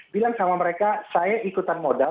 bilang sama mereka saya ikutan modal